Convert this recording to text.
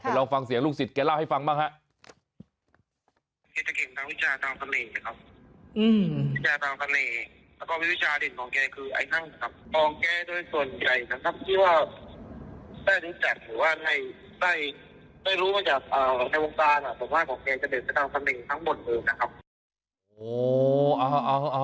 ลองฟังเสียงลูกศิษย์แกเล่าให้ฟังบ้างฮะ